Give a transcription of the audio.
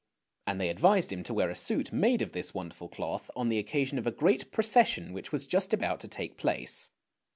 " and they advised him to wear a suit made of this wonderful cloth on the occasion of a great procession which was just about to take place.